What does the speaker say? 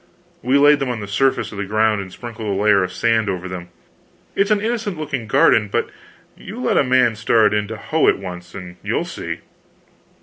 We laid them on the surface of the ground, and sprinkled a layer of sand over them. It's an innocent looking garden, but you let a man start in to hoe it once, and you'll see."